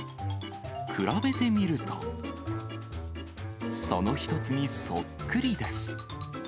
比べてみると、その一つにそっくりです。